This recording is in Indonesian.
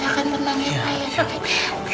jangan tenang ya pak